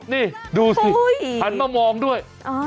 นี่ดูสิหันมามองด้วย